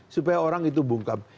supaya orang itu bungkam